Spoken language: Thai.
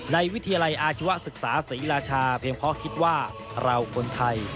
วิทยาลัยอาชีวศึกษาศรีราชาเพียงเพราะคิดว่าเราคนไทย